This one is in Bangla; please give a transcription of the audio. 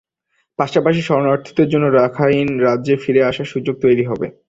পাশাপাশি শরণার্থীদের জন্য রাখাইন রাজ্যে ফিরে আসার সুযোগ তৈরি করতে হবে।